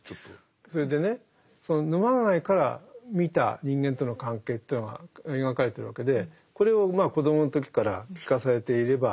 それでねその沼貝から見た人間との関係というのが描かれてるわけでこれをまあ子供の時から聞かされていれば